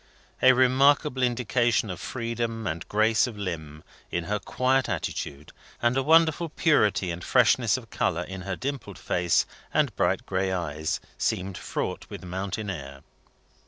A remarkable indication of freedom and grace of limb, in her quiet attitude, and a wonderful purity and freshness of colour in her dimpled face and bright gray eyes, seemed fraught with mountain air.